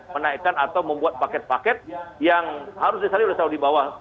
menaikkan atau membuat paket paket yang harus disali oleh saudi bawah